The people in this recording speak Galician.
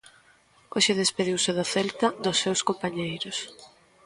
Hoxe despediuse do Celta, dos seus compañeiros.